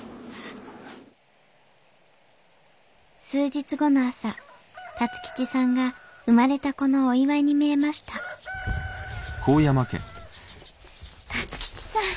数日後の朝辰吉さんが生まれた子のお祝いに見えました辰吉さん。